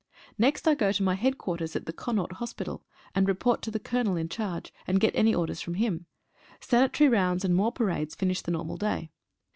Next I go to my headquarters at the Connaught Hospital, and report to the Colonel in charge, and get any orders from him. Sanitary rounds, and more pa rades finish the normal day.